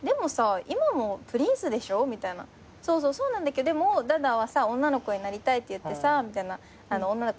そうそうそうなんだけどでもダダはさ女の子になりたいって言ってさ女の子になったでしょ。